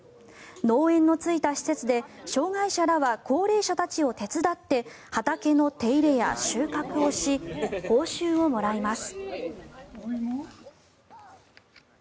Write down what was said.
農園のついた施設で障害者らは高齢者たちを手伝って畑の手入れや収穫をし報酬をもらいます。